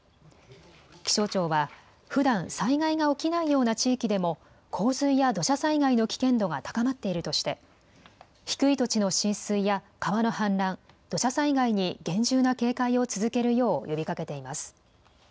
気象庁はふだん災害が起きないような地域でも洪水や土砂災害の危険度が高まっているとして低い土地の浸水や川の氾濫、土砂災害に厳重な警戒を続けるよう呼びかけています。